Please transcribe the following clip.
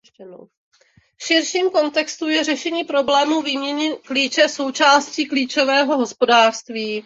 V širším kontextu je řešení problému výměny klíče součástí klíčového hospodářství.